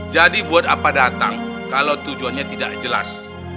jadi buat apa datang kalau tujuannya tidak jelas